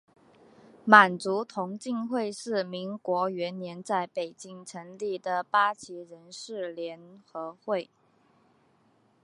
满族同进会是民国元年在北京成立的八旗人士联合会。